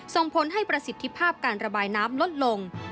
ส่งผลให้ประสิทธิภาพการระบายน้ำลดลง